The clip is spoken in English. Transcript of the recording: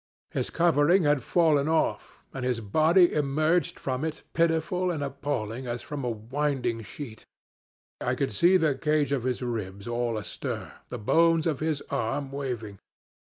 His covering had fallen off, and his body emerged from it pitiful and appalling as from a winding sheet. I could see the cage of his ribs all astir, the bones of his arm waving.